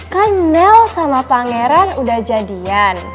kan nel sama pangeran udah jadian